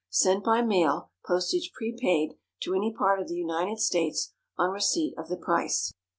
_Sent by mail, postage prepaid, to any part of the United States, on receipt of the price.